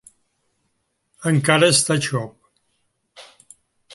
Encara està xop.